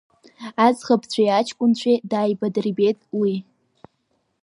Аӡӷабцәеи аҷкәынцәеи дааибадырбеит уи.